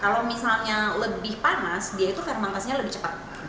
kalau misalnya lebih panas dia itu fermentasinya lebih cepat